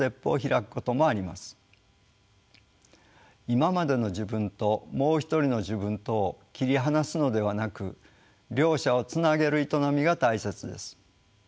「今までの自分」と「もう一人の自分」とを切り離すのではなく両者をつなげる営みが大切です。